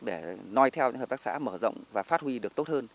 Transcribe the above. để nói theo những hợp tác xã mở rộng và phát huy được tốt hơn